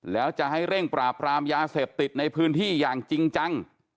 แล้วจะให้เร่งปราบรามยาเสพติดในพื้นที่อย่างจริงจัง